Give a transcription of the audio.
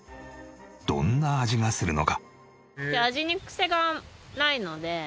どんな味がするのか？